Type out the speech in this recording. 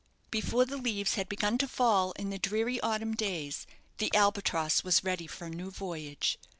Before the leaves had begun to fall in the dreary autumn days the "Albatross" was ready for a new voyage.